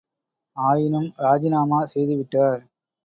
ஆயினும் ராஜிநாமா செய்துவிட்டார்.